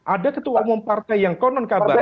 ada ketua umum partai yang konon kpk